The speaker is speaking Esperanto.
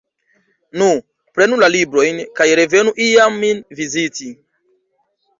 Nu, prenu la librojn kaj revenu iam min viziti.